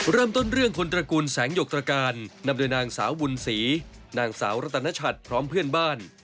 เริ่มต้นเรื่องคนตระกูลแสงหยกตรการนำโดยนางสาวบุญศรีนางสาวรัตนชัดพร้อมเพื่อนบ้าน